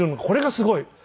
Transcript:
これがすごい。